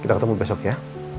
kita ketemu besok ya